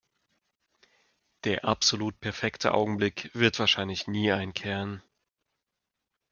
Der absolut perfekte Augenblick wird wahrscheinlich nie einkehren.